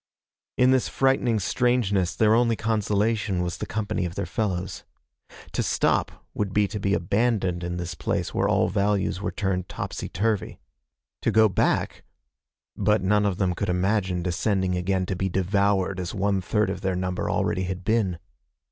In this frightening strangeness, their only consolation was the company of their fellows. To stop would be to be abandoned in this place where all values were turned topsy turvy. To go back but none of them could imagine descending again to be devoured as one third of their number already had been.